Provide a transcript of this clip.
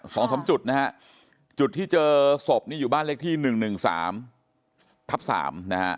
สองสามจุดนะฮะจุดที่เจอศพนี่อยู่บ้านเลขที่๑๑๓ทับ๓นะฮะ